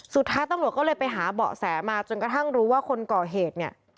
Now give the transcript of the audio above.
สุดท้ายตำรวจก็เลยไปหาเบาะแสมาจนกระทั่งรู้ว่าคนก่อเหตุเนี่ย